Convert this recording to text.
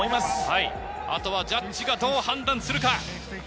あとはジャッジがどう判断するか。